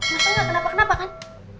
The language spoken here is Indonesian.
masa nggak kenapa kenapa kan